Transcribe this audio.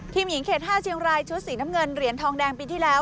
หญิงเขต๕เชียงรายชุดสีน้ำเงินเหรียญทองแดงปีที่แล้ว